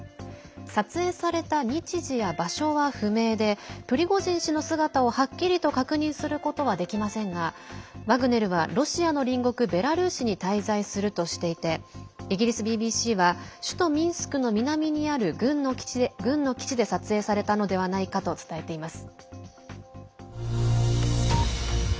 撮影された日時や場所は不明でプリゴジン氏の姿を、はっきりと確認することはできませんがワグネルは、ロシアの隣国ベラルーシに滞在するとしていてイギリスＢＢＣは首都ミンスクの南にある軍の基地で撮影されたのではないかと伝えています。